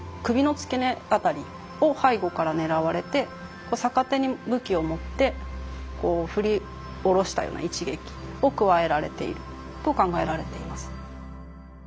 首の付け根辺りを背後から狙われて逆手に武器を持ってこう振り下ろしたような一撃を加えられていると考えられています。